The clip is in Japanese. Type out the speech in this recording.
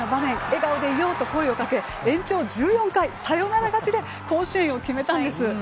「笑顔でいよう」と声をかけ延長１４回サヨナラ勝ちで甲子園を決めたんです。